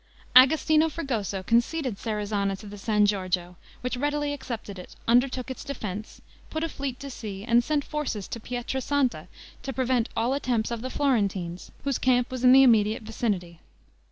Agostino Fregoso conceded Serezana to the San Giorgio, which readily accepted it, undertook its defense, put a fleet to sea, and sent forces to Pietra Santa to prevent all attempts of the Florentines, whose camp was in the immediate vicinity.